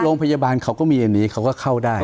โรงพยาบาลเขาก็มีอันนี้เขาก็เข้าได้